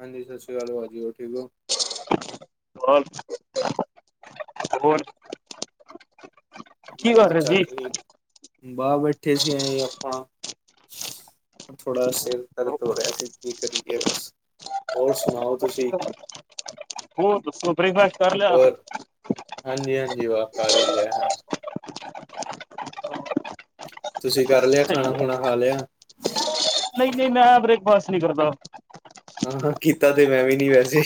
ਹਾਂਜੀ ਸਤ ਸ਼੍ਰੀ ਅਕਾਲ ਭਾਜੀ, ਹੋਰ ਠੀਕ ਹੋ। ਬਸ ਹੋਰ। ਕੀ ਕਰ ਬਾਹ ਰਹੇ ਚੱਲ ਸੀ? ਰਹੀ, ਬਾਹ ਬੈਠੇ ਸੀ ਇਹੀਂ ਆਪਾਂ। ਥੋੜਾ ਸਿਰ ਦਰਦ ਹੋ ਰਿਹਾ ਸੀ, ਕੀ ਕਰੀਏ ਬਸ। ਹੋਰ ਸੁਣਾਓ ਤੁਸੀਂ ਹੋਰ ਦੱਸੋ ਬ੍ਰੇਕਫਾਸਟ ਕਰ ਲਿਆ? ਹਾਂਜੀ-ਹਾਂਜੀ, ਬਸ ਕਰ ਹੀ ਲਿਆ। ਤੁਸੀਂ ਕਰ ਲਿਆ ਖਾਣਾ-ਖੁਣਾ ਖਾ ਲਿਆ। ਨਹੀਂ-ਨਹੀਂ ਮੈ ਬ੍ਰੇਕਫਾਸਟ ਨੀ ਕਰਦਾ। ਕੀਤਾ ਤੇ ਮੈ ਵੀ ਨੀ ਵੈਸੇ।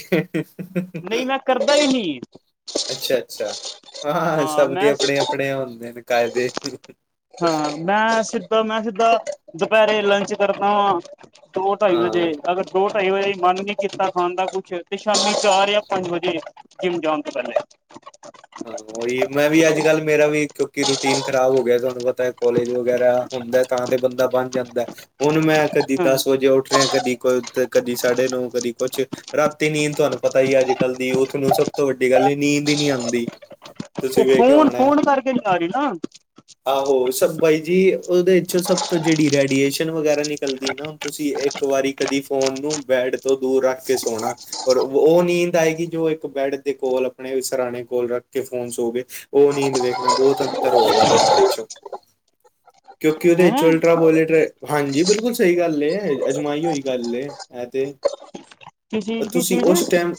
ਨਹੀਂ ਮੈਂ ਕਰਦਾ ਹੀ ਨਹੀਂ। ਅੱਛਾ-ਅੱਛਾ, ਹਾਂ ਸਭ ਦੇ ਆਪਣੇ-ਆਪਣੇ ਹੁੰਦੇ ਨੇ ਕਾਇਦੇ। ਹਾਂ ਮੈਂ ਸਿੱਧਾ ਮੈਂ ਸਿੱਧਾ, ਦੁਪਹਿਰੇ ਲੰਚ ਕਰਦਾ ਵਾਂ। ਦੋ-ਢਾਈ ਵਜੇ ਹਾਂ ਅਗਰ ਦੋ-ਢਾਈ ਵਜੇ ਮਨ ਨੀ ਕੀਤਾ ਖਾਣ ਦਾ ਕੁਛ ਤੇ ਸ਼ਾਮੀ ਚਾਰ ਜਾਂ ਪੰਜ ਵਜੇ। ਜਿਮ ਜਾਣ ਤੋਂ ਪਹਿਲੇ। ਹਾਂ ਉਹੀ ਮੈਂ ਵੀ ਅੱਜ-ਕੱਲ੍ਹ ਮੇਰਾ ਵੀ ਕਿਉਂਕਿ ਰੂਟੀਨ ਖਰਾਬ ਹੋ ਗਿਆ ਤੁਹਾਨੂੰ ਪਤਾ ਕੋਲੇਜ ਵਗੈਰਾ ਹੁੰਦਾ ਤਾਂ ਤੇ ਬੰਦਾ ਬਣ ਜਾਂਦਾ। ਹੁਣ ਮੈਂ ਕਦੀ ਹਾਂ ਦਸ ਵਜੇ ਉੱਠ ਰਿਹਾ ਕਦੀ ਤੇ ਕਦੀ ਸਾਢੇ ਨੌ ਕਦੀ ਕੁਛ। ਰਾਤੀ ਨੀਂਦ ਤੁਹਾਨੂੰ ਪਤਾ ਹੀ ਅੱਜਕਲ ਦੀ ਉਹ ਥੋਨੂੰ ਸਭ ਤੋਂ ਵੱਡੀ ਗੱਲ ਏ ਨੀਂਦ ਹੀ ਨਹੀਂ ਆਂਦੀ। ਤੁਸੀਂ ਉਹ ਵੇਖਿਆ ਫੋਨ ਹੋਣਾ। ਫੋਨ ਕਰਕੇ ਨੀ ਆ ਰਹੀ ਨਾ ਆਹੋ, ਸਭ ਬਾਈ ਜੀ ਉਹਦੇ 'ਚ ਸਭ ਤੋਂ ਜਿਹੜੀ ਰੇਡੀਏਸ਼ਨ ਵਗੈਰਾ ਨਿਕਲਦੀ ਨਾ ਹੁਣ ਤੁਸੀਂ ਇਹ ਇੱਕ ਵਾਰੀ ਕਦੀ ਫੋਨ ਨੂੰ ਬੈਡ ਤੋਂ ਦੂਰ ਰੱਖ ਕੇ ਸੋਣਾ। ਔਰ ਉਹ ਨੀਂਦ ਆਏਗੀ ਜੋ ਇੱਕ ਬੈਡ ਦੇ ਕੋਲ ਆਪਣੇ ਸਰਾਣੇ ਕੋਲ ਰੱਖ ਫੋਨ ਸੋ ਗਏ ਉਹ ਨੀਂਦ ਵੇਖਣਾ ਬਹੁਤ ਅੰਤਰ ਹੋਏਗਾ ਦੋਨਾਂ ਚੋ। [inaudible] ਕਿਉਂਕਿ ਉਹਦੇ ਵਿਚੋ ਹੈਂ ਅਲਟਰਾ ਵੋਲੇਟ ਹਾਂਜੀ ਬਿਲਕੁਲ ਸਹੀ ਗੱਲ ਏ ਅਜਮਾਈ ਹੋਈ ਗੱਲ ਏ। ਐ ਤੇ ਕੀ ਅ ਚੀਜ਼, ਕੀ ਤੁਸੀਂ ਚੀਜ? ਉਸ ਟਾਈਮ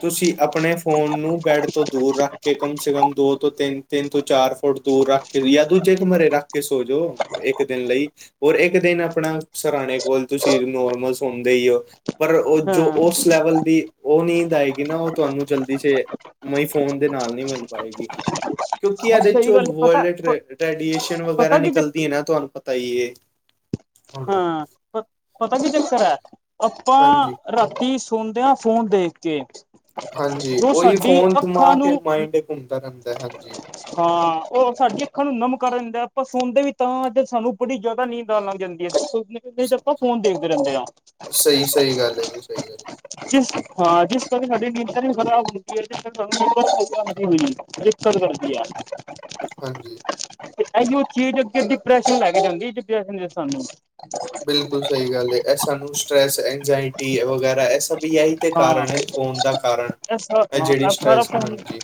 ਤੁਸੀਂ ਆਪਣੇ ਫੋਨ ਨੂੰ ਬੈਡ ਤੋਂ ਦੂਰ ਰੱਖ ਕੇ ਕਮ ਸੇ ਕਮ ਦੋ ਤੋਂ ਤਿੰਨ, ਤਿੰਨ ਤੋਂ ਚਾਰ ਫੁਟ ਦੂਰ ਰੱਖ ਕੇ ਜਾਂ ਦੂਜੇ ਕਮਰੇ ਰੱਖ ਕੇ ਸੋ ਜੋ। ਇੱਕ ਦਿਨ ਲਈ, ਹੋਰ ਇੱਕ ਦਿਨ ਆਪਣਾ ਸਰਾਣੇ ਕੋਲ ਤੁਸੀਂ ਨੋਰਮਲ ਸੌਂਦੇ ਹੀ ਹੋ। ਪਰ ਉਹ ਹਾਂ ਜੋ ਉਸ ਲੈਵਲ ਦੀ ਉਹ ਨੀਂਦ ਆਏਗੀ ਨਾ ਉਹ ਤੁਹਾਨੂੰ ਜਲਦੀ ਸੇ ਮਈ ਫੋਨ ਉਦੇ ਨਾਲ ਨੀ ਮਿਲ ਪਾਏਗੀ। ਕਿਉਂਕਿ ਹਾਂ ਇਹਦੇ ਸਹੀ ਚੋ ਗੱਲ ਪਤਾ ਵਰਲਡ ਰੇਡੀਏਸ਼ਨ ਪਤਾ ਵਗੈਰਾ ਕੀ ਚੱਕ ਨਿਕਲਦੀ ਹੈ ਨਾ ਤੁਹਾਨੂੰ ਪਤਾ ਹੀ ਏ। ਹਾਂ। ਪਤਾ ਕੀ ਚੱਕਰ ਏ, ਆਪਾਂ ਹਾਂਜੀ ਰਾਤੀ ਸੌਨੇ ਆ ਫੋਨ ਦੇਖ ਕੇ। ਹਾਂਜੀ ਜੋ ਉਹੀ ਸਾਡੀ ਫੋਨ ਦਿਮਾ ਅੱਖਾਂ ਨੂੰ ਕੇ ਮਾਇੰਡ ਘੁੰਮਦਾ ਰਹਿੰਦਾ ਹਾਂਜੀ। ਹਾਂ ਉਹ ਸਾਡੀਆਂ ਅੱਖਾਂ ਨੂੰ ਨਮ ਕਰ ਦਿੰਦਾ ਆਪਾਂ ਸੁਣਦੇ ਵੀ ਤਾਂ ਅੱਜ ਸਾਨੂੰ ਬੜੀ ਜ਼ਿਆਦਾ ਨੀਂਦ [unintelligible] ਲੰਘ ਜਾਂਦੀ ਏ ਤੁਸੀਂ ਦੇਖੋ ਫੋਨ ਦੇਖਦੇ ਰਹਿੰਦੇ ਆ। ਬਿਲਕੁਲ ਸਹੀ ਏ। ਜਿਸ ਹਾਂ ਜਿਸ ਕਰਕੇ ਸਾਡੀ ਨਿਤ ਵੀ ਖਰਾਬ ਹੁੰਦੀ ਹੈ ਜਿਸ [unintelligible] [unintelligible] ਹਾਂਜੀ ਤੇ ਇਹੀ ਉਹ ਚੀਜ਼ ਅ ਡਿਪਰੈਸ਼ਨ ਹੈਗਾ ਹਾਂਜੀ ਡਿਪਰੈਸ਼ਨ ਸਾਨੂੰ ਬਿਲਕੁਲ ਸਹੀ ਗੱਲ ਹੈ। ਸਾਨੂੰ ਸਟਰ੍ਰੈਸ, ਇੰਗਜਾਇਟੀ ਵਗੈਰਾ ਇਹ ਸਭ ਵੀ ਇਹੀ ਤੇ ਹਾਂ ਕਾਰਨ ਹੈ ਫੋਨ ਦਾ ਕਾਰਨ। ਇਹ ਸਾਰਾ ਹਾਂ ਜਿਹੜੀ ਇਹ ਸਾਰਾ ਸ੍ਰੈਸ ਫੋਨ ਹਾਂਜੀ।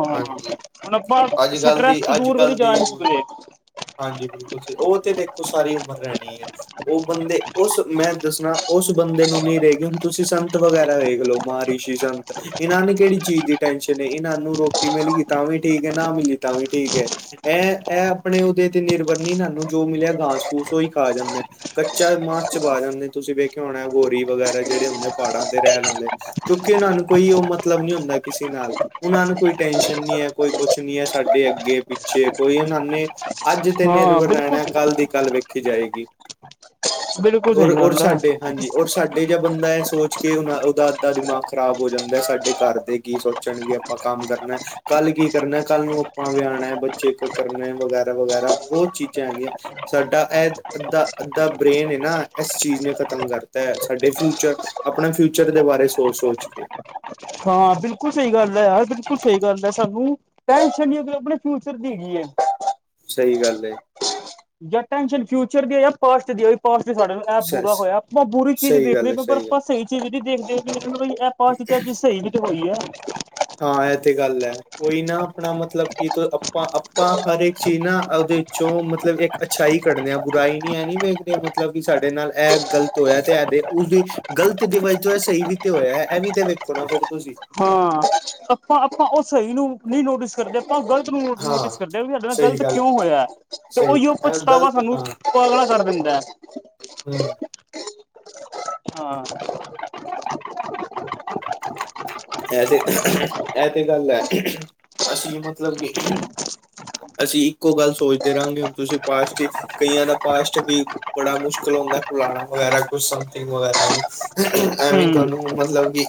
ਹਾਂ ਹਾਂਜੀ, ਹੁਣ ਆਪਾਂ ਅੱਜਕੱਲ ਸਟਰੈਸ ਦੀ ਤੋਂ ਦੂਰ ਕਦੇ ਅੱਜਕੱਲ ਜਾ ਦੀ ਨਹੀਂ ਸਕਦੇ ਹਾਂਜੀ ਬਿਲਕੁਲ ਜੀ ਉਹ ਤੇ ਦੇਖੋ ਸਾਰੀ ਉਮਰ ਰਹਿਣੀ ਹੈ। ਉਹ ਬੰਦੇ ਉਸ ਮੈਂ ਦੱਸਣਾ ਉਸ ਬੰਦੇ ਨੂੰ ਨਹੀਂ ਰਹੇਗੀ ਹੁਣ ਤੁਸੀਂ ਸਾਨੂੰ ਸੰਤ ਵਗੈਰਾ ਵੇਖਲੋ ਮਹਾਂਰਿਸ਼ੀ ਸੰਤ ਇਹਨਾਂ ਨੇ ਕਿਹੜੀ ਚੀਜ਼ ਦੀ ਟੈਨਸ਼ਨ ਏ ਇਹਨਾਂ ਨੂੰ ਰੋਕ ਕੇ ਮਿਲਗੀ ਤਾਂ ਵੀ ਠੀਕ ਏ ਹੈ ਨਾ ਮਿਲੀ ਤਾਂ ਵੀ ਠੀਕ ਏ। ਇਹ ਇਹ ਆਪਣੇ ਉਹਦੇ ਤੇ ਨਿਰਭਰ ਨਹੀਂ ਨਾ ਨੂੰ ਜੋ ਮਿਲਿਆ ਗਾਸ ਫੂਸ ਉਈ ਖਾ ਜਾਂਦਾ। ਕੱਚਾ ਮਾਸ ਚਬਾ ਜਾਂਦੇ ਤੁਸੀਂ ਵੇਖਿਆ ਹੋਣਾ ਗੋਰੀ ਵਗੈਰਾ ਜਿਹੜੇ ਹੁੰਦੇ ਪਹਾੜਾਂ ਤੇ ਰਹਿਣ ਆਲੇ। ਕਿਉਂਕਿ ਉਹਨਾਂ ਨੂੰ ਕੋਈ ਉਹ ਮਤਲਬ ਨੀ ਹੁੰਦਾ ਕਿਸੇ ਨਾਲ, ਉਹਨਾਂ ਨੂੰ ਕੋਈ ਟੈਸ਼ਨ ਨੀ ਹੈ ਕੋਈ ਕੁਛ ਨੀ ਹੈ ਸਾਡੇ ਅੱਗੇ-ਪਿੱਛੇ ਕੋਈ ਉਹਨਾਂ ਨੇ ਅੱਜ ਤੇ ਹਾਂ ਨਿਰਭਰ ਬਿਲਕੁਲ ਰਹਿਣਾ ਕੱਲ੍ਹ ਦੀ ਕੱਲ੍ਹ ਵੇਖੀ ਜਾਏਗੀ। ਬਿਲਕੁਲ ਔਰ, ਸਹੀ ਔਰ ਗੱਲ ਹੈ ਸਾਡੇ ਹਾਂਜੀ। ਔਰ ਸਾਡੇ ਬੰਦਾ ਸੋਚ ਕੇ ਉਹ ਉਹਦਾ ਅੱਧਾ ਦਿਮਾਗ ਖ਼ਰਾਬ ਹੋ ਜਾਂਦਾ। ਸਾਡੇ ਘਰ ਦੇ ਕੀ ਸੋਚਣਗੇ ਆਪਾਂ ਕੰਮ ਕਰ ਕਰਨਾ ਕੱਲ ਕੀ ਕਰਨਾ ਕੱਲ ਨੂੰ ਆਪਾਂ ਵਿਆ ਆਉਣਾ, ਬੱਚੇ ਕਰਨਾ ਵਗੈਰਾ- ਵਗੈਰਾ ਬਹੁਤ ਚੀਜ਼ਾਂ ਹੈਗੀਆਂ। ਸਾਡਾ ਇਹ ਅੱਧਾ- ਅੱਧਾ ਬ੍ਰੇਨ ਹੈ ਨਾ ਇਸ ਚੀਜ਼ ਨੇ ਖ਼ਤਮ ਕਰਤਾ ਹੈ। ਸਾਡੇ ਫਿਊਚਰ ਆਪਣਾ ਫਿਊਚਰ ਦੇ ਬਾਰੇ ਸੋਚ- ਸੋਚ ਕੇ ਹਾਂ। ਬਿਲਕੁਲ ਸਹੀ ਗੱਲ ਹੈ ਯਾਰ ਬਿਲਕੁਲ ਸਹੀ ਗੱਲ ਹੈ। ਸਾਨੂੰ ਟੈਨਸ਼ਨ ਨ ਅ ਆਪਣੇ ਫਿਊਚਰ ਦੀਗੀ ਹੈ। ਸਹੀ ਗੱਲ ਏ। ਜਾਂ ਟੈਨਸ਼ਨ ਫਿਊਚਰ ਦੀ ਆ ਜਾਂ ਪਾਸਟ ਦੀ ਪਾਸਟ ਸਾਡੇ ਐਪ ਸ ਬੁਰਾ ਹੋਇਆ। ਆਪਾਂ ਬੁਰੀ ਚੀਜ਼ ਸਹੀ ਗੱਲ ਦੇਖਦੇ ਹੈ ਹੋ ਪਰ ਗੱਲ ਆਪਾਂ ਸਹੀ ਚੀਜ਼ ਦੇਖਦੇ ਹੋ ਪਾ ਕਿਹਾ ਕੀ ਸਹੀ ਵੀ ਤੇ ਹੋਈ ਹੈ ਹਾਂ। ਇਹ ਤੇ ਗੱਲ ਹੈ। ਕੋਈ ਨਾ ਆਪਣਾ ਮਤਲਬ ਕਿ ਆਪਾਂ, ਆਪਾਂ ਹਰ ਇੱਕ ਚੀਜ਼ ਨਾ ਉਹਦੇ ਚੋਂ ਮਤਲਬ ਇੱਕ ਅੱਛਾਈ ਕੱਢਦੇ ਬੁਰਾਈ ਨੀ ਹੈ ਨ ਮੈਂਦੇ ਮਤਲਬ ਕਿ ਸਾਡੇ ਨਾਲ ਇਹ ਗਲਤ ਹੋਇਆ। ਤੇ ਇਹ ਦੇ ਉਸਦੀ ਗ਼ਲਤ ਡਿਵਾਈਜ਼ ਹੈ ਸਹੀ ਵੀ ਤੇ ਹੋਇਆ। ਇਹ ਵੀ ਤੇ ਵੇਖੋ ਨਾ ਫਿਰ ਤੁਸੀਂ ਹਾਂ। ਆਪਾਂ -ਆਪਾਂ ਉਹ ਸਹੀ ਨੂੰ ਨਹੀਂ ਨੋਟਿਸ ਕਰਦੇ। ਆਪ ਗਲਤ ਨੂੰ ਹਾਂ ਨੋਟਿਸ ਕਰਦੇ ਵੀ ਸਾਡੇ ਨਾਲ ਸਹੀ ਗ਼ਲਤ ਗੱਲ ਕਿਉਂ ਹੋਇਆ। ਤੇ ਸਹੀ ਉਹੀਓ ਇਹ ਪੁੱਛਤਾ ਵਾ ਗਲਤ ਸਾਨੂੰ ਪਹਿਲੇ ਕਰ ਦਿੰਦਾ। ਹਮ। ਹਾਂ। ਐ ਤੇ ਇਹ ਤੇ ਗੱਲ ਹੈ। ਅਸੀਂ ਮਤਲਬ ਕਿ ਅਸੀਂ ਇੱਕੋ ਗੱਲ ਸੋਚਦੇ ਰਹਾਂਗੇ ਹੁਣ ਤੁਸੀਂ ਪਸਟਿਕ ਕਈਆਂ ਦਾ ਪਾਸਟ ਵੀ ਬੜਾ ਮੁਸ਼ਕਿਲ ਹੁੰਦਾ। ਫਲਾਣਾ ਵਗੈਰਾ ਕੁਛ ਸਮਥਿੰਗ ਵਗੈਰਾ ਵੀ ਐਵੇਂ ਹਮ ਤੁਹਾਨੂੰ ਮਤਲਬ ਕਿ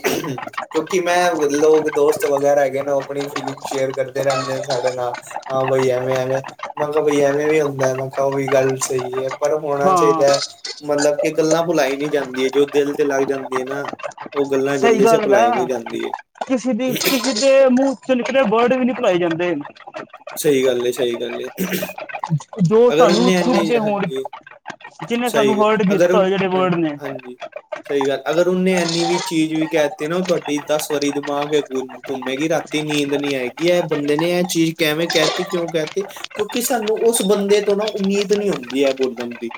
ਕਿਉਂਕਿ ਮੈਂ ਲੋਕ ਦੋਸਤ ਵਗੈਰਾ ਹੈਗੇ ਨੇ ਉਹ ਆਪਣੀ ਫੀਲਿੰਗ ਸ਼ੇਅਰ ਕਰਦੇ ਰਹਿੰਦੇ ਨੇ ਸਾਡੇ ਨਾਲ ਹਾਂ ਬਈ ਐਵੇਂ -ਐਵੇਂ। ਮੈਂ ਕਿਹਾ- ਬਈ ਐਵੇਂ ਵੀ ਹੁੰਦਾ। ਮੈਂ ਕਿਹਾ, ਉਹ ਵੀ ਗੱਲ ਸਹੀ ਹੈ। ਪਰ ਹੋਣਾ ਹਾਂ ਚਾਹੀਦਾ ਹੈ। ਮਤਲਬ ਕਿ ਗੱਲਾਂ ਭੁਲਾਈ ਨਹੀਂ ਜਾਂਦੀ ਹੈ ਜੋ ਦਿਲ ਤੇ ਲੱਗ ਜਾਂਦੀ ਹੈ ਨਾ। ਉਹ ਗੱਲਾਂ ਜਲਦੀ ਦਾ। ਭੁਲਾਈ ਨਹੀਂ ਜਾਂਦੀ ਹੈ ਕਿਸੇ ਦੀ ਕਿਸੇ ਦੇ ਮੂੰਹ ਚ ਨਿਕਲੇ ਵਰਡ ਵੀ ਨੀ ਭੁਲਾਏ ਜਾਂਦੇ। ਸਹੀ ਗੱਲ, ਏ ਸਹੀ ਗੱਲ ਏ। ਜੋ ਅਗਰ ਉਨੁੰ ਸਾਨੂੰ ਚੁਭਦੇ ਹੋਣ ਜਿਹਨੇ ਸਹੀ ਸਾਨੂੰ ਗੱਲ ਹਰਟ ਅਗਰ ਕੀਤਾ ਹੁ ਹੋਏ ਜਿਹੜੇ ਹਾਂ। ਵਰਡ ਨੇ ਹਾਂਜੀ। [inaudible] ਸਹੀ ਗੱਲ, ਅਗਰ ਉਹਨੇ ਇੰਨੀ ਵੀ ਚੀਜ਼ ਵੀ ਕਹਿ ਦਿੱਤੀ ਨਾ, ਤੁਹਾਡੀ ਦਸ ਵਾਰੀ ਦਿਮਾਗ ਘੁੰਮੇਗੀ, ਰਾਤੀ ਨੀਂਦ ਨਹੀਂ ਆਏਗੀ, ਇਹ ਬੰਦੇ ਨੇ ਇਹ ਚੀਜ਼ ਕਿਵੇਂ ਕਹਿ ਦਿੱਤੀ, ਕਿਉਂ ਕਹਿਤੀ। ਕਿਉਂਕਿ ਸਾਨੂੰ ਉਸ ਬੰਦੇ ਤੋਂ ਨਾ ਉਮੀਦ ਨਹੀਂ ਹੁੰਦੀ, ਐ ਬੋਲਣ ਦੀ।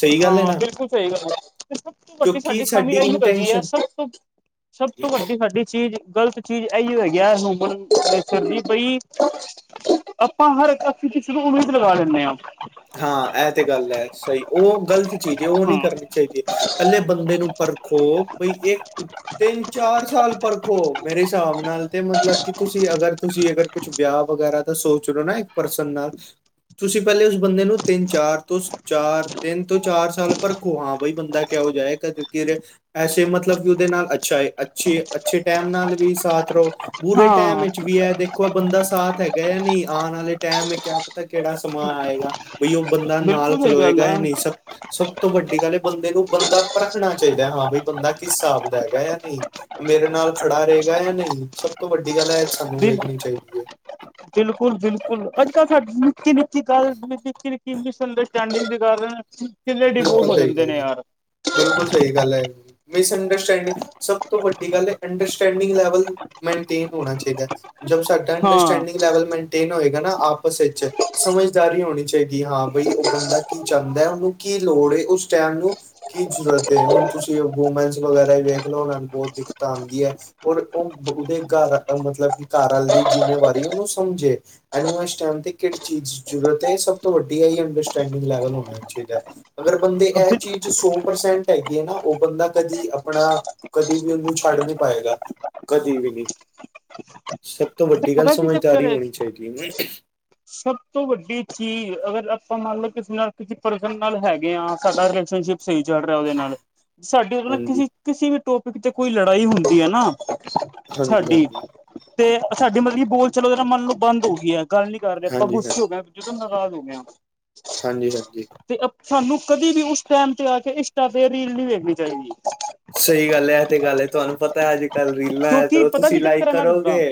ਸਹੀ ਗੱਲ ਹੈ ਹਾਂ, ਨਾ ਬਿਲਕੁਲ ਸਹੀ ਗੱਲ ਹੈ, ਤੇ ਕਿਉਂਕਿ ਸਾਡੀ ਖਾਮੀ ਇਹੀ ਹੈਗੀ ਇੰਟੈਂਸ਼ਨ ਹੈ। ਸਭ ਤੋਂ ਸਭ ਤੋਂ ਵੱਡੀ ਸਾਡੀ ਚੀਜ਼ ਗਲਤ ਚੀਜ਼ ਇਹੀਓਂ ਹੈਗੀ ਐ। ਹਊਮ ਨਰ ਜ ਬਈ ਆਪਾਂ ਹਰ ਇੱਕ ਕਿਸੇ ਨੂੰ ਉਮੀਦ ਲਗਾ ਲੈਨੇ ਆਂ। ਹਾਂ। ਇਹ ਤੇ ਗੱਲ ਹੈ। ਸਹੀ ਉਹ ਗ਼ਲਤ ਚੀਜ਼ ਹੈ ਉਹ ਹਾਂ ਨਹੀਂ ਕਰਨੀ। ਚਾਹੀਦੀ ਹੈ। ਪਹਿਲੇ ਬੰਦੇ ਨੂੰ ਪਰਖੋ। ਬਈ ਇਹ ਤਿੰਨ- ਚਾਰ ਸਾਲ ਪਰਖੋ, ਮੇਰੇ ਹਿਸਾਬ ਨਾਲ ਤੇ ਮਤਲਬਕਿ ਤੁਸੀ ਅਗਰ, ਤੁਸੀਂ ਅਗਰ ਕੁਛ ਵਿਆਹ ਵਗੈਰਾ ਤਾਂ ਸੋਚ ਲੋ ਨਾ ਇੱਕ ਪਰਸਨ ਨਾਲ, ਬੰਦੇ ਨੂੰ ਤਿੰਨ ਤੋਂ ਚਾਰ, ਤਿੰਨ ਤੋੰ ਚਾਰ ਸਾਲ ਪਰਖੋ ਹਾਂ ਬਾਈ, ਬੰਦਾ ਕਿਹੋ ਜਿਹਾ ਜਾਏ ਕ ਐਸੇ ਮਤਲਬ ਕਿ, ਉਹਦੇ ਨਾਲ ਅੱਛਾ ਹੈ। ਅੱਛੇ- ਅੱਛੇ ਟਾਈਮ ਨਾਲ ਵੀ ਸਾਥ ਰਹੋ। ਪੂਰੇ, ਟਾਈਮ ਹਾਂ ਵਿੱਚ ਵੀ ਐ ਤੇ। ਕੋਈ ਬੰਦਾ ਸਾਥ ਹੈਗਾ ਜਾਂ ਨਹੀਂ ਆਉਣ ਵਾਲੇ ਟਾਈਮ ਕਿਆ ਪਤਾ ਕਿਹੜਾ ਸਮਾਂ ਆਏਗਾ। ਬਈ ਉਹ ਬੰਦਾ ਨਾਲ ਬਿਲਕੁਲ ਸਹੀ ਗੱਲ ਖਲੋਏਗਾ ਹੈ ਜਾ ਨਹੀਂ ਸਭ ਸਭ ਤੋਂ ਵੱਡੀ ਗੱਲ ਹੈ ਬੰਦੇ ਨੂੰ ਬੰਦਾ ਪਰਖਣਾ ਚਾਹੀਦਾ ਹਾਂ ਬਈ ਬੰਦਾ ਕਿਸ ਹਿਸਾਬ ਦਾ ਹੈਗਾ ਜਾਂ ਨਹੀਂ। ਮੇਰੇ ਨਾਲ ਖੜਾ ਰਹੇਗਾ ਜਾਂ ਨਹੀਂ ਸਭ ਤੋਂ ਵੱਡੀ ਗੱਲ ਐ। ਬਿਲ ਬਿਲਕੁਲ-ਬਿਲਕੁਲ ਅੱਜ ਕੱਲ੍ਹ ਸਾ ਨਿੱਕੀ- ਨਿੱਕੀ ਗੱਲ ਨਿੱਕੀ- ਨਿੱਕੀ ਮਿਸ ਅੰਡਸਟੈਂਡਿੰਗ ਜਿਹੀ ਕਰ ਰਹੇ ਨੇ। ਕਿੰਨੇ ਡਿਗੋ ਬਿਲਕੁਲ ਹੋ ਸਹੀ ਜਾਂਦੇ ਗੱਲ ਹੈ ਨੇ ਯਾਰ ਬਿਲਕੁਲ ਸਹੀ [inaudible] ਗੱਲ ਹੈ ਮਿਸ ਅੰਡਰਸਟੈਂਡਿੰਗ ਸਭ ਤੋਂ ਵੱਡੀ ਗੱਲ ਹੈ ਅੰਡਰਸਟੈਂਡਿੰਗ ਲੈਵਲ ਮੇਨਟੇਨ ਹੋਣਾ ਚਾਹੀਦਾ। ਜਦ ਸਾਡਾ ਹਾਂ ਅੰਡਰਸਟੈਂਡਿੰਗ ਲੈਵਲ ਮੈਂਟ ਏਨ ਹੋਏਗ ਨਾ ਆਪਸ ਵਿੱਚ ਸਮਝਦਾਰੀ ਹੋਣੀ ਚਾਹੀਦੀ ਹਾਂ ਬਈ ਉਹ ਬੰਦਾ ਕੀ ਚਾਹੁੰਦਾ ਉਹਨੂੰ ਕੀ ਲੋੜ ਏ ਉਸ ਟਾਈਮ ਨੂੰ ਕੀ ਜ਼ਰੂਰਤ ਹੁਣ ਤੁਸੀਂ ਵੂਮਨਸ ਵਗੈਰਾ ਵੀ ਵੇਖ ਲਓ ਉਹਨਾਂ ਨੂੰ ਬਹੁਤ ਦਿੱਕਤਾਂ ਆਉਂਦੀਆਂ। ਔਰ ਉਹ ਉਹਦੇ ਘਰ ਮਤਲਬ ਕਿ ਘਰ ਵਾਲੇ ਦੀ ਜਿੰਮੇਵਾਰੀ ਉਹਨੂੰ ਸਮਝੇ। ਇਹਨੂੰ ਇਸ ਟਾਈਮ ਤੇ ਕਿਹੜੀ ਚੀਜ਼ ਦੀ ਜ਼ਰੂਰਤ ਹੈ ਇਹ ਸਭ ਤੋਂ ਵੱਡੀ ਆ ਅੰਡਸਟਡਿੰਗ ਲੈਵਲ ਹੋਣਾ ਚਾਹੀਦਾ ਐ। ਅਗਰ ਬੰਦੇ ਇਹ ਚੀਜ਼ ਸੌ ਪਰਸੈਂਟ ਹੈਗੀ ਹੈ ਨਾ ਉਹ ਬੰਦਾ ਕਦੀ ਆਪਣਾ ਕਦੀ ਵੀ ਉਹਨੂੰ ਛੱਡ ਨੀ ਪਾਏਗਾ ਕਦੀ ਵੀ ਨਹੀਂ। ਤਾਂ ਵੱਡੀ ਗੱਲ ਪਤਾ ਕੀ ਚੱਕਰ ਸਮਝਦਾਰੀ ਹੈ ਹੋਣੀ ਚਾਹੀਦੀ ਏ। [inaudible] ਸਭ ਤੋਂ ਵੱਡੀ ਚੀਜ਼ ਅਗਰ ਆਪਾਂ ਮੰਨ ਲਓ ਕਿਸੇ ਨਾਲ ਪਰਸਨ ਨਾਲ ਹੈਗੇ ਹਾਂ ਸਾਡਾ ਰਿਲੇਸ਼ਨਸ਼ਿਪ ਸਹੀ ਚੱਲ ਰਿਹਾ ਉਹਦੇ ਨਾਲ ਸਾਡੀ ਉਹਦੇ ਨਾਲ ਹਾਂਜੀ ਕਿਸੀ ਕਿਸੇ ਵੀ ਟੋਪਿਕ ਤੇ ਕੋਈ ਲੜਾਈ ਹੁੰਦੀ ਹੈ ਨਾ ਹਾਂਜੀ ਸਾਡੀ ਹਾਂਜੀ ਮਤਲਬ ਕਿ ਬੋਲ ਚਾਲ ਓਦੇ ਨਾਲ ਮੰਨ ਨੂੰ ਬੰਦ ਹੋ ਗਈ ਹੈ ਗੱਲ ਨੀ ਘਰਦਿਆਂ ਹਾਂਜੀ ਗੁੱਸੇ ਕੀਤਾ ਤੇ ਨਾਰਾਜ਼ ਹੋ ਗਿਆ ਮੈਂ ਹਾਂਜੀ--ਹਾਂਜੀ। ਤੇ ਸਾਨੂੰ ਕਦੇ ਵੀ ਉਸ ਟਾਈਮ ਤੇ ਆ ਕੇ ਇੰਸਟਾ ਤੇ ਰੀਲ ਨਹੀਂ ਵੇਖਣੀ ਚਾਹੀਦੀ। ਸਹੀ ਗੱਲ ਇਹ ਤੇ ਗੱਲ ਤੁਹਾਨੂੰ ਪਤਾ ਹੈ ਅੱਜ ਕੱਲ ਰੀਲਾਂ ਕਿਉਂਕਿ ਤੇ ਪਤਾ ਤੁਸੀਂ ਕੀ ਚੱਕਰ ਲਾਈਕ ਹੈ ਮੈਂ ਦੱਸਦਾ ਕਰੋਗੇ।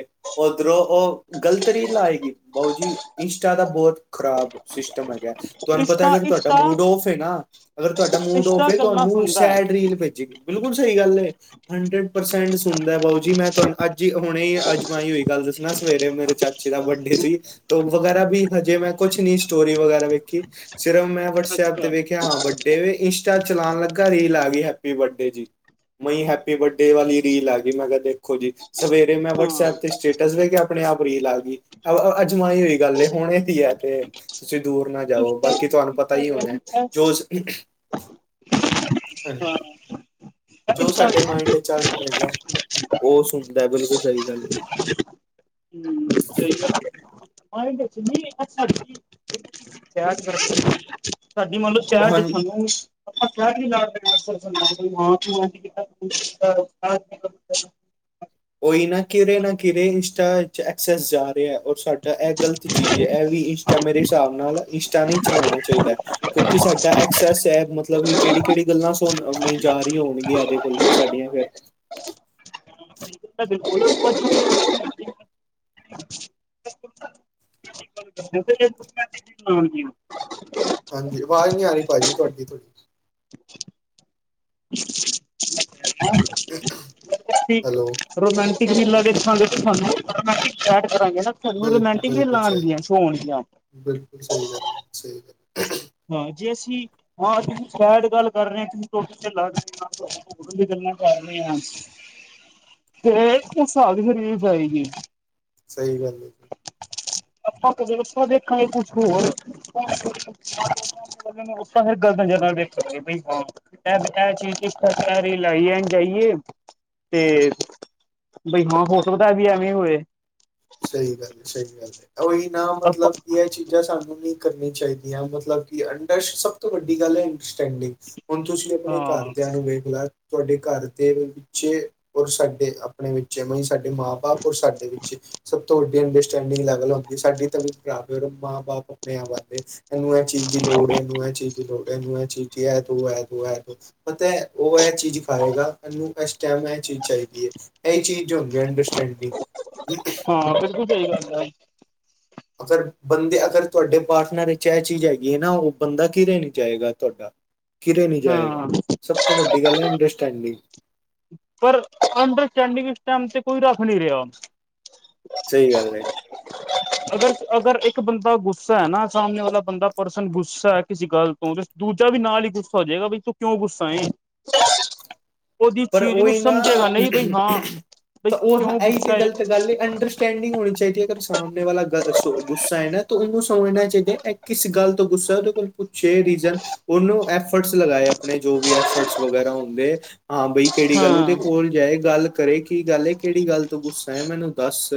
ਓਧਰੋਂ ਓ ਉਹ ਗ਼ਲਤ ਨਈ ਲਾਏਗੀ ਬਾਊ ਜੀ ਇੰਸਟਾ ਤਾਂ ਬਹੁਤ ਖਰਾਬ ਸਿਸਟਮ ਹੈਗਾ ਤੁਹਾਨੂੰ ਪਤਾ ਹੈ ਇੰਸਟਾ ਨਾ ਤੁਹਾਡਾ ਇੰਸਟਾ ਮੂਡ ਔਫ ਹੈ ਨਾ ਅਗਰ ਤੁਹਾਡਾ ਮੂਡ ਇੰਸਟਾ ਔਫ ਏ ਗੱਲਾਂ ਤੁਹਾਨੂੰ ਸੁਣਦਾ ਸਾਈਡ ਹੈ ਰੀਲ ਭੇਜੇਗੀ ਬਿਲਕੁਲ ਸਹੀ ਗੱਲ ਏ। ਹੰਡਰਡ ਪਰਸੈਂਟ ਸੁਣਦਾ ਬਾਊ ਜੀ ਮੈਂ ਤੁਹਾਨੂੰ ਅੱਜ ਹੁਣੇ ਅਜਮਾਈ ਹੋਈ ਗੱਲ ਦੱਸਣਾ ਸਵੇਰੇ ਮੇਰੇ ਚਾਚੇ ਜਿਦਾ ਬਰਡੇ ਸੀ ਤੇ ਵਗੈਰਾ ਵੀ ਹਜੇ ਮੈਂ ਕੁਛ ਨ ਸਟੋਰੀ ਵਗੈਰਾ ਵੇਖੀ। ਸਿਰਫ ਮੈਂ ਵਟਸਐਪ ਤੇ ਅੱਛਾ ਵੇਖਿਆ ਹਾਂ ਵੱਡੇ ਇੰਸਟਾ ਚਲਾਉਣ ਲੱਗਾ ਰੀਲ ਆ ਗਈ ਹੈਪੀ ਬਰ ਜੀ ਮੇ ਹੈਪੀ ਬਰਡੇ ਵਾਲੀ ਰੀਲ ਆਂ ਗਈ ਮੈਂ ਕਿਹਾ ਦੇਖੋ ਜੀ। ਸਵੇਰੇ ਮੈਂ ਹਾਂ ਵਟਸਐਪ ਤੇ ਸਟੇਟਸ ਵੇਖਿਆ ਆਪਣੇ ਆਪ ਰੀਲ ਆ ਗਈ। ਆ ਅਜ ਅਜਮਾਈ ਹੋਈ ਗੱਲ ਹੈ ਹੁਣੇ ਤ ਹੈ ਤੁਸੀਂ ਦੂਰ ਨਾ ਜਾਓ ਇੰਸਟਾ ਬਾਕੀ ਤੁਹਾਨੂੰ ਪਤਾ ਹੀ ਇੰਸਟਾਗ੍ਰਾਮ ਹੋਣਾ ਹੈ ਜੋ ਹਾਂ ਹਾਂਜੀ ਜੋ ਸਾਡੇ ਇੰਸਟਾਗ੍ਰਾਮ ਮਾਇੰਡ ਚੱਲ ਰਹੀ ਆ ਉਹ ਸੁਣਦਾ ਬਿਲਕੁਲ ਸਹੀ ਗੱਲ ਏ। ਹੂੰ ਸਹੀ ਗੱਲ [unintelligible] ਉਹ ਹਾਂਜੀ [unintelligible] [unintelligible] ਕੋਈ ਨਾ ਕਿਰੇ ਨਾ ਕਿਰੇ ਇੰਸਟਾ ਐਕਸੈਸ ਜਾ ਰਿਹਾ ਔਰ ਸਾਡਾ ਇਹ ਗਲਤ ਚੀਜ਼ ਏ ਇਹ ਵੀ ਟਾ ਮੇਰੇ ਹਿਸਾਬ ਨਾਲ ਇਸ਼ਟਾ ਨਹੀਂ ਚਲਾਉਣਾ ਚਾਹੀਦਾ। ਕਿਉਂਕਿ ਸਾਡਾ ਐਕਸੈਸ ਹੈ ਮਤਲਬ ਹੀ ਕਿਹੜੀ -ਕਿਹੜੀ ਗੱਲਾਂ ਸੋ ਮੋਈ ਜਾ ਰਹੀ ਹੋਣਗੀਆਂ ਇਹਦੇ ਕੋਲ ਤੇ ਸਾਡੀਆਂ ਫਿਰ ਬਿਲਕੁਲ [inaudible] [unintelligible] ਹਾਂਜੀ ਆਵਾਜ਼ ਨਹੀਂ ਆ ਰਹੀ ਭਾਜੀ ਤੁਹਾਡੀ [inaudible] [inaudible] [unintelligible] ਓਹਨੂੰ ਹੈਲੋ ਰੋਮਾਂਟਿਕ ਜਿਆ ਬਿਲਕੁਲ ਬਿਲਕੁਲ ਲਾਣ ਸਹੀ ਗੀਆ ਫੋਨ ਦੀਆ ਬਿਲਕੁਲ ਸਹੀ ਗੱਲ ਹੈ ਸਹੀ ਗੱਲ ਜੇ ਅਸੀਂ ਹਾ ਸ਼ਾਇਦ ਗੱਲ ਕਰ ਰਹੇ ਕਿ ਪ੍ਰੋਟੈਕਸ਼ਨ ਲਗ ਜਾਏਗਾ ਅੰਦਰ ਗਲਾ ਕਰ ਰਹੇ ਹਾਂ ਹੋਰ ਓਹ ਸਾਲ ਦੀ ਚਲੀ ਜਾਏਗੀ ਸਹੀ ਗੱਲ ਹੈ ਤਕ ਜੈ ਟੈਬਲੇਟ ਖਾਇ ਕੁਛ ਹੋਰ ਗਲਤ ਨਜ਼ਰ ਨਾਲ ਵੇਖੋਗੇ ਬਈ ਹਾ ਐਸ ਏਚ ਕਿਸ ਪ੍ਰਕਾਰ ਇਨਕੁਆਇਰੀ ਲੈਣ ਜਾਇਆ [unintelligible] ਬਈ ਹਾਂ ਹੋ ਸਕਦਾ ਇਹ ਵੀ ਐਵੇਂ ਹੋਏ ਸਹੀ ਗੱਲ ਏ ਸਹੀ ਗੱਲ ਏ ਉਹੀ ਨਾ ਆਪਾਂ ਮਤਲਬ ਕਿ ਇਹ ਚੀਜ਼ ਸਾਨੂੰ ਨਈ ਕਰਨੀ ਚਾਹੀਦੀ ਆ ਮਤਲਬ ਕਿ ਅੰਡਰ ਸਭ ਤੋਂ ਵੱਡੀ ਗੱਲ ਹੈ ਐਂਡਰਸਟੈਂਡਿੰਗ ਹੁਣ ਤੁਸੀਂ ਆਪਣੇ ਘਰ ਹਾਂ ਦੀਆ ਨੂੰ ਵੇਖ ਲਿਆ ਕਿਉੰਕੀ ਘਰ ਦੇ ਪਿੱਛੇ ਹੋ ਸਕਦੇ ਆ ਆਪਣੇ ਵਿੱਚ ਸਾਡੇ ਮਾਂ ਬਾਪ ਔਰ ਸਾਡੇ ਵਿੱਚ ਸਭ ਤੋਂ ਵੱਡੀ ਅੰਡਰਸਟੈਂਡਿੰਗ ਅਲੱਗ ਅਲੱਗ ਜੇ ਸਾਡੀ ਤਾਂ ਭਰਾ, ਮਾਂ ਬਾਪ ਆਪਣੇ ਵਾਸਤੇ ਇਹਨੂੰ ਇਹਚੀਜ਼ ਦੀ ਲੋੜ ਹ ਇਹਨੂੰ ਇਹ ਚੀਜ਼ ਲੋੜੇ ਨੂੰ ਹੈ ਚੀਚ ਹੈ ਤੂੰ ਹੈ ਤੂੰ ਹੈ ਤੂੰ ਪਤਾ ਉਹ ਚੀਜ਼ ਖਾਏਗਾ ਅਨੂ ਐਸ ਟਾਈਮ ਇਹ ਚੀਜ਼ ਚਾਹੀਦੀ ਹ ਇਹ ਚੀਜ਼ ਹੂੰਦਾ ਹੈ ਅੰਡਰ ਸਟੈਂਡਿੰਗ [unintelligible] ਹਾਂ ਫਿਰ ਕਿਊ ਚਾਇਦੀ [unintelligible] ਸਰ ਬੰਦੇ ਅਗਰ ਤੁਹਾਡੇ ਪਾਸ ਨਾ ਇਹ ਚੀਜ਼ ਹੈਗੀ ਹੈ ਨਾ ਉਹ ਬੰਦਾ ਕਿੱਥੇ ਨਿ ਜਾਏਗਾ ਕਿਦਰ ਨਹੀਂ ਜਾਏਗਾ ਹਾਂ ਸਭ ਤੋਂ ਵੱਡੀ ਗੱਲ ਹੈ ਅੰਡਰ ਸਟੈਂਡਿੰਗ ਪਰ ਅੰਡਰ ਸਟੈਂਡਿੰਗ ਵਿਚ ਟਾਈਮ ਸਿਰ ਕੋਈ ਰੱਖ ਨਹੀਂ ਰਿਹਾ ਹੁਣ ਸਹੀ ਗੱਲ ਹੈ [unintelligible] ਅਗਰ ਅਗਰ ਇੱਕ ਬੰਦਾ ਗੁੱਸਾ ਹ ਨਾ ਸਾਹਮਨੇ ਵਾਲਾ ਬੰਦਾ ਪਰਸਨ ਗੁੱਸਾ ਕਿਸੇ ਗੱਲ ਤੋਂ ਦੂਜਾ ਵੀ ਨਾਲ ਹੀ ਗੁੱਸਾ ਹੋ ਜਾਏਗਾ ਬਈ ਵੀ ਤੂੰ ਕਿਉਂ ਗੁੱਸਾ ਹੈ ਉਹਦੀ ਪਰ ਚੀਜ਼ ਨੂੰ ਉਹੀ ਨਾ ਸਮਝੇਗਾ ਨਹੀਂ ਬਈ ਉਹ, ਹਾਂ ਬਈ ਤੇ ਓਹ ਕਿਉਂ ਐਹੀ ਤੇ ਗੁੱਸਾ ਏ ਗਲਤ ਗੱਲ ਹੈ ਅੰਡਰ ਸਟੈਂਡਿੰਗ ਹੋਣੀ ਚਾਹੀਦੀ ਅਗਰ ਸੋਮਨੇ ਵਾਲਾ ਗੱਲ ਦਸੋ ਗੁੱਸਾ ਹੈ ਨਾ ਤੇ ਉਸਨੂੰ ਹੋਣਾ ਚਾਹੀਦਾ ਹੈ ਇਹ ਕਿਸ ਗੱਲ ਤੋਂ ਗੁੱਸਾ ਹੈ ਇਹ ਪੁੱਛੇ ਰਿਜਨ ਉਹਨੂੰ ਐਫਰਟਸ ਲਗਾਏ ਆਪਣੇ ਜੋ ਵੀ ਐਫਰਟਸ ਵਗੈਰਾ ਹੁੰਦੇ ਹਾਂ ਬਈ ਕਿਹੜੀ ਗੱਲ ਉਹਦੇ ਹਾਂ ਕੋਲ ਚਾਹੇ ਗੱਲ ਕਰੇ ਕੀ ਗੱਲ ਹ ਕਿਹੜੀ ਗੱਲ ਤੋਂ ਗੁੱਸਾ ਮੈਨੂੰ ਦੱਸ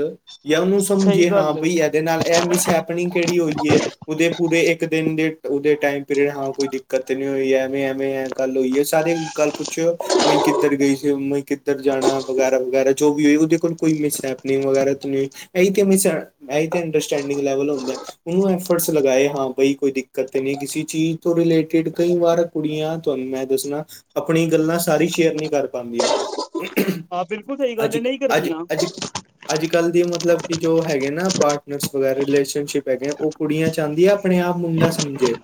ਜਾਂ ਤੁਮ ਸਹੀ ਜੀ ਨਾਲ ਗੱਲ ਏ ਕੋਈ ਇਹਦੇ ਨਾਲ ਇਹ ਮਿਸ ਹੈਪਨਿੰਗ ਕਿਹੜੀ ਹੋਈ ਹੈ ਉਹਦੇ ਪੂਰੇ ਇੱਕ ਦਿਨ ਉਹਦੇ ਟਾਈਮ ਪੀ ਰਿਹਾ ਕੋਈ ਦਿੱਕਤ ਨਹੀਂ ਹੋਈ ਐਵੇਂ ਐਵੇਂ ਇਹ ਗੱਲ ਹੋਏ ਹੈ ਸਾਰੇ ਕੱਲ ਪੁੱਛਿਓ ਮੀ ਕਿਧਰ ਗਈ ਸੀ ਮਈ ਕਿਧਰ ਜਾਣਾ ਵਗੈਰਾ ਵਗੈਰਾ ਜੋ ਵੀ ਹੋਈ ਉਹਦੇ ਕੋਲ ਕੋਈ ਮਿਸ ਹੈਪਨਿੰਗ ਵਗੈਰਾ ਤੋਂ ਨਹੀਂ ਹੋਈ ਇਹ ਕੇਹਦਿ ਸਾ, ਲਾਈਕ ਅੰਡਰ ਸਟੈਂਡਿੰਗ ਲੈਵਲ ਹੁੰਦਾ ਹੈ ਨਹੀ ਓਹ ਐਫਰਟਸ ਲਗਾਏ ਹਾਂ ਬਾਈ ਕੋਈ ਦਿੱਕਤ ਤੇ ਨਹੀਂ ਕਿਸੇ ਚੀਜ਼ ਤੋਂ ਰਿਲੇਟਿਡ ਕਈ ਵਾਰ ਕੁੜੀਆਂ ਤੁਹਾਨੂੰ ਮੈਂ ਦੱਸਣਾ ਆਪਣੀ ਗੱਲਾਂ ਸਾਰੀ ਸ਼ੇਅਰ ਨਹੀ ਕਰ ਪਾੰਦੀਆਂ ਹਾਂ ਬਿਲਕੁਲ ਸਹੀ ਗੱਲ ਅੱਜ ਏ ਇਕ ਨਹੀਂ ਅੱਜ ਕਰਦੀਆਂ ਅੱਜ ਇਕ ਅੱਜ ਕੱਲ੍ਹ ਦੀ ਮਤਲਬ ਕਿ ਜੋ ਹੈਗੇ ਨਾ ਪਾਰਟਨਰਸ ਵਗੈਰਾ ਰਿਲੇਸ਼ਨਸ਼ਿਪ ਹੈਗੇ ਉਹ ਕੁੜੀਆਂ ਚਾਹੁੰਦੀਆਂ ਆਪਣੇ ਆਪ ਮੁੰਡਾ ਸਮਝੇ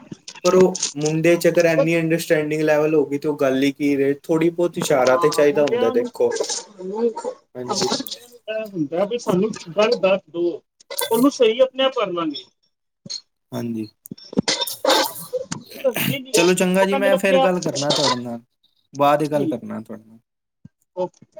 ਪਰ ਉਹ ਮੁੰਡੇ ਚ ਅਗਰ ਪਰ ਇੰਨੀ ਅੰਡਰਸਟੈਂਡਿੰਗ ਲੈਵਲ ਹੋ ਗਈ, ਤੇ ਉਹ ਗੱਲ ਹੀ ਕੀ ਰਹੇ ਥੋੜੀ ਬਹੁਤ ਇਸ਼ਾਰਾ [inaudible] ਤੇ ਚਾਹੀਦਾ ਹੁੰਦਾ ਦੇਖੋ ਹਾਂਜੀ ਵੀ ਸਾਨੂੰ ਗੱਲ ਦੱਸ ਦੋ ਉਹਨੂੰ ਸਹੀ ਆਪਣੇ ਆਪ ਕਾਰ ਲਾਗੇ। ਹਾਂਜੀ ਦੱਸਦੀ ਨੀ ਚਲੋ ਚੰਗਾ ਉਹ ਜੀ ਕਹਿੰਦੇ ਮੈਂ ਨੇ ਫਿਰ ਆਪਣੇ ਆਪ ਗੱਲ ਕਰਨਾ ਤੁਹਾਡੇ ਨਾਲ ਬਾਅਦ ਹੀ ਗੱਲ ਠੀਕ ਕਰਨਾ ਓਕੇ।